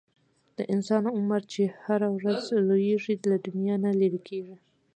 د انسان عمر چې هره ورځ لږیږي، له دنیا نه لیري کیږي